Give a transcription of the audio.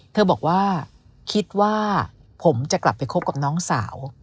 เธอบอกว่าคิดว่าผมจะกลับไปคบกับน้องสาว